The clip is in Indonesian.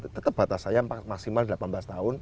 tetap batas saya maksimal delapan belas tahun